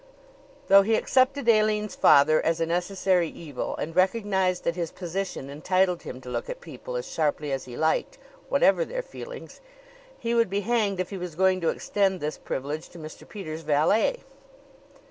Though he accepted Aline's father as a necessary evil and recognized that his position entitled him to look at people as sharply as he liked, whatever their feelings, he would be hanged if he was going to extend this privilege to Mr. Peters' valet.